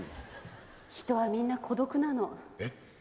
人はみんな孤独なの。え？